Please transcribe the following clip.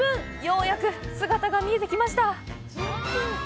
ようやく姿が見えてきました。